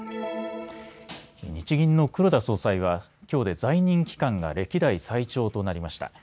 日銀の黒田総裁は、きょうで在任期間が歴代最長となりました。